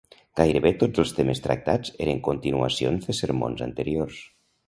Gairebé tots els temes tractats eren continuacions de sermons anteriors.